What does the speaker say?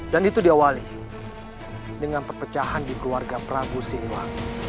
dan itu diawali dengan perpecahan di keluarga prabu siliwa